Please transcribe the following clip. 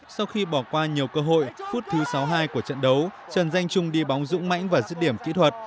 sau khi bỏ qua nhiều cơ hội phút thứ sáu mươi hai của trận đấu trần danh trung đi bóng dũng mãnh và giết điểm kỹ thuật